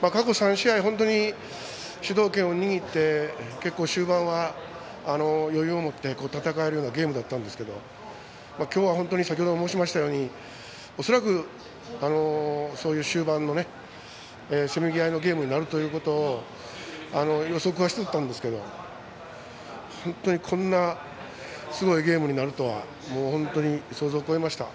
過去３試合主導権を握って結構、終盤は余裕を持って戦えるようなゲームだったんですけど今日は本当に先ほども申し上げたように、恐らくそういう終盤のせめぎ合いのゲームになるということを予測はしてたんですけど本当に、こんなすごいゲームになるとは本当に想像を超えました。